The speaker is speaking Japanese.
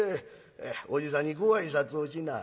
おじさんにご挨拶をしなはれ。